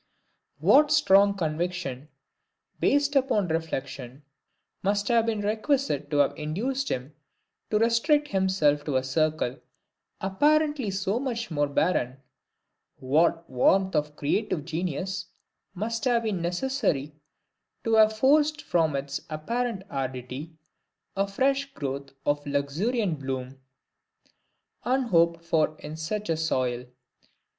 What strong conviction, based upon reflection, must have been requisite to have induced him to restrict himself to a circle apparently so much more barren; what warmth of creative genius must have been necessary to have forced from its apparent aridity a fresh growth of luxuriant bloom, unhoped for in such a soil!